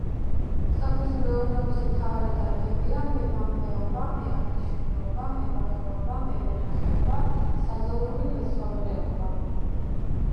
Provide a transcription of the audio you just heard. სოფლის მეურნეობის მთავარი დარგებია: მებამბეობა, მეაბრეშუმეობა, მებაღეობა, მევენახეობა, საძოვრული მეცხოველეობა.